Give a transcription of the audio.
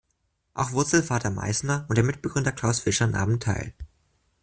Auch Wurzel-Vater Meißner und der Mitbegründer Klaus Fischer nahmen teil.